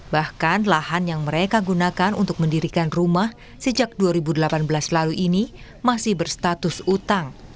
bahkan lahan yang mereka gunakan untuk mendirikan rumah sejak dua ribu delapan belas lalu ini masih berstatus utang